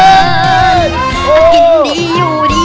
โดยการแข่งขาวของทีมเด็กเสียงดีจำนวนสองทีม